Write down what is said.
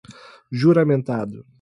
juramentado